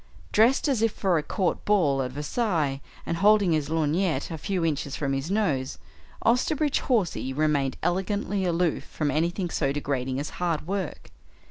Dressed as if for a court ball at Versailles and holding his lorgnette a few inches from his nose, Osterbridge Hawsey remained elegantly aloof from anything so degrading as hard work.